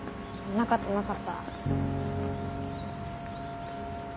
なかったなかった。